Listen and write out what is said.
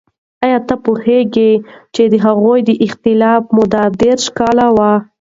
آیا ته پوهیږې چې د هغوی د خلافت موده دیرش کاله وه؟